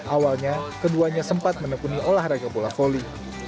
awalnya keduanya sempat menepuni olahraga bola voli